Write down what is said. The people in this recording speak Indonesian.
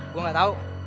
gue gak tau